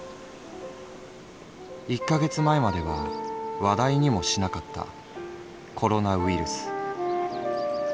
「一ヶ月前までは話題にもしなかったコロナウイルス」。